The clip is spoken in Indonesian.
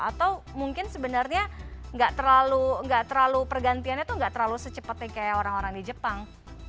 atau mungkin sebenarnya nggak terlalu pergantiannya tuh nggak terlalu secepatnya kayak orang orang di jepang